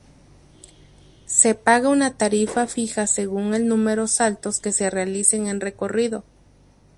Se paga una tarifa fija según el número saltos que se realicen en recorrido.